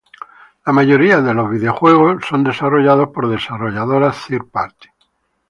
La mayoría de los videojuegos son desarrollados por desarrolladoras third party.